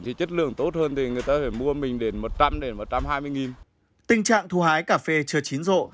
tình trạng thu hái cà phê chưa chín rộ